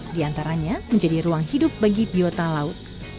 diantaranya menjadi ruang hidup bagi biota laut